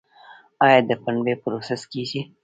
آیا د پنبې پروسس کیږي؟